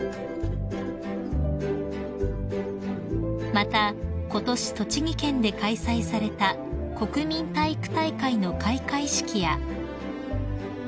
［またことし栃木県で開催された国民体育大会の開会式や］